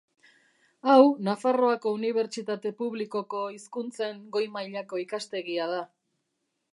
Hau Nafarroako Unibertsitate Publikoko Hizkuntzen Goi Mailako Ikastegia da.